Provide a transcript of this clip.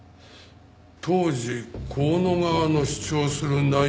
当時香野側の主張する内容は。